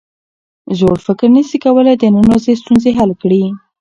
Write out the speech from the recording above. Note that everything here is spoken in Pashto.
زوړ فکر نسي کولای د نن ورځې ستونزې حل کړي.